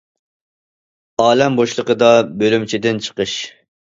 ئالەم بوشلۇقىدا بۆلۈمچىدىن چىقىش!